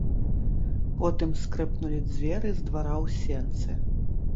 Потым скрыпнулі дзверы з двара ў сенцы.